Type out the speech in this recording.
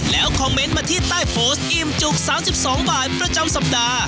แล้วคอมเมนต์มาที่ใต้โพสต์อิ่มจุก๓๒บาทประจำสัปดาห์